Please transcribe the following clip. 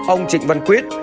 ông trịnh văn quyết